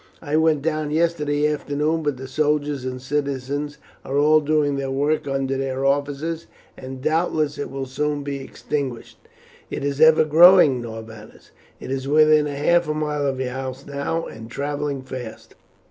I went down yesterday afternoon, but the soldiers and citizens are all doing their work under their officers, and doubtless it will soon be extinguished." "It is ever growing, Norbanus. It is within half a mile of your house now, and travelling fast."